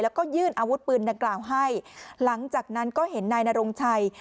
แล้วก็ยื่นอาวุธปืนดังกล่าวให้หลังจากนั้นก็เห็นนายนรงชัย